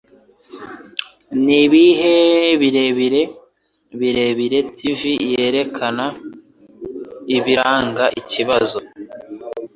Nibihe birebire birebire Tv Yerekana Ibiranga Ikibazo